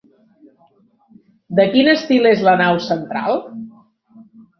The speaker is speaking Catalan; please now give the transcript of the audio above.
De quin estil és la nau central?